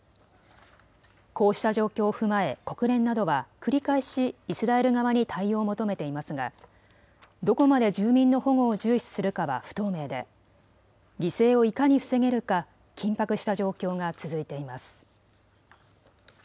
こうした状況を踏まえ国連などは繰り返しイスラエル側に対応を求めていますがどこまで住民の保護を重視するかは不透明で犠牲をいかに防げるか緊迫した状況が続いています。